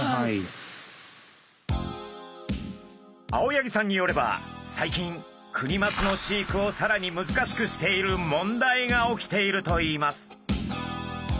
青柳さんによれば最近クニマスの飼育をさらに難しくしている問題が起きているといいます。